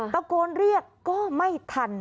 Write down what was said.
ตะโกนเรียกก็ไม่ทัน